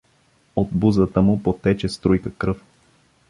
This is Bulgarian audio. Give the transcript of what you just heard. От бузата му потече струйка кръв.